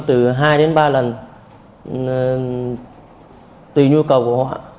tôi bán từ hai đến ba lần tùy nhu cầu của họ